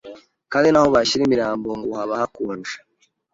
kandi n’aho bashyira imirambo ngo haba hakonje